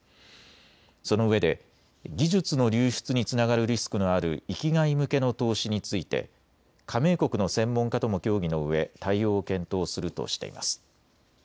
そのうえで技術の流出につながるリスクのある域外向けの投資について加盟国の専門家とも協議のうえ対応を検討するとしています。